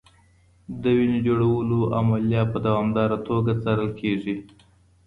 د وینې جوړولو عملیه په دوامداره توګه څارل کېږي.